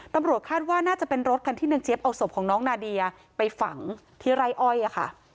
ตำรวจคาดว่าน่าจะเป็นรถคันที่นางเจี๊ยบเอาศพของน้องนาเดียไปฝังที่ไร่อ้อยค่ะ